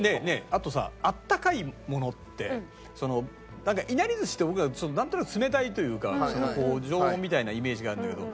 あとさあったかいものってなんかいなり寿司ってなんとなく冷たいというか常温みたいなイメージがあるんだけど。